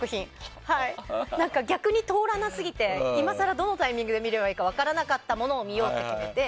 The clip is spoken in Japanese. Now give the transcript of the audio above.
逆に通らな過ぎて今更どのタイミングで見ればいいか分からなかったものを見ようって決めて。